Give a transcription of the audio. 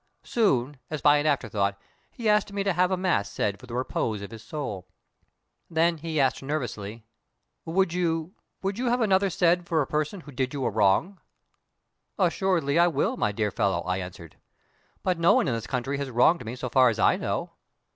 Soon, as by an after thought, he asked me to have a mass said for the repose of his soul. Then he added nervously: "Would you would you have another said for a person who did you a wrong?" "Assuredly I will, my dear fellow," I answered. "But no one in this country has wronged me so far as I know."